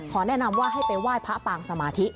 แนะนำว่าให้ไปไหว้พระปางสมาธิ